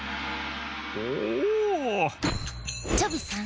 おお⁉「チョビさん